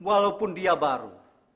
walaupun dia baru